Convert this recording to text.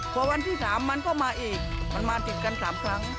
พอวันที่๓มันก็มาอีกมันมาติดกัน๓ครั้ง